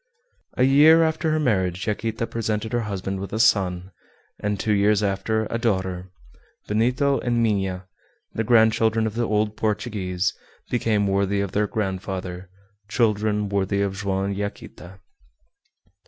A year after her marriage Yaquita presented her husband with a son, and, two years after, a daughter. Benito and Minha, the grandchildren of the old Portuguese, became worthy of their grandfather, children worthy of Joam and Yaquita.